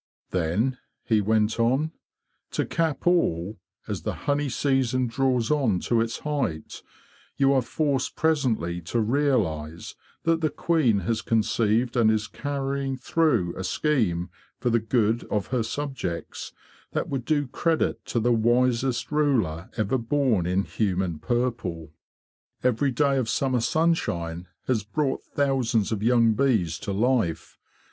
'' Then,'"' he went on, ''to cap all, as the honey season draws on to its height, you are forced presently to realise that the queen has conceived and 96 THE BEE MASTER OF WARRILOW is carrying through a scheme for the good of her subjects that would do credit to the wisest ruler ever born in human purple. Every day of summer sunshine has brought thousands of young bees to life.